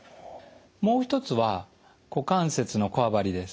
もう一つは股関節のこわばりです。